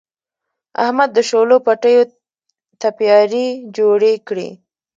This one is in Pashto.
احمد د شولو پټیو تپیاري جوړې کړې.